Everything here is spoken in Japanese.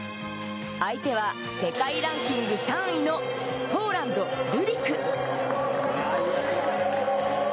相手は世界ランキング３位のポーランド、ルディク。